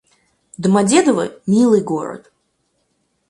Домодедово — милый город